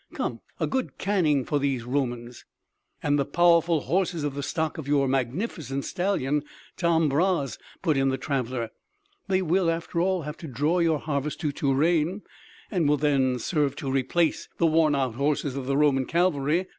Come, a good caning for these Romans!" "And the powerful horses of the stock of your magnificent stallion Tom Bras," put in the traveler. "They will, after all, have to draw your harvest to Touraine, and will then serve to replace the worn out horses of the Roman cavalry....